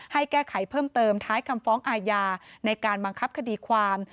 ให้แก้ไขเพิ่มเติมท้ายคำฟ้องอาญาในการบังคับคดีความ